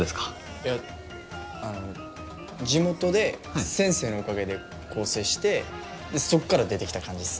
いやあの地元で先生のおかげで更生してそっから出てきた感じっすね。